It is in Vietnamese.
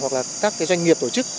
hoặc là các doanh nghiệp tổ chức